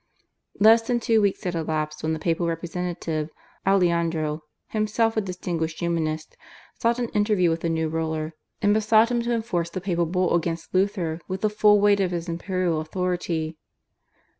Less than two weeks had elapsed when the papal representative, Aleandro, himself a distinguished Humanist, sought an interview with the new ruler, and besought him to enforce the papal Bull against Luther with the full weight of his imperial authority.